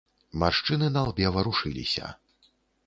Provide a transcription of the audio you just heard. Маршчыны на лбе варушыліся.